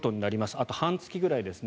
あと半月ぐらいですね。